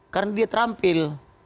karena dia terampil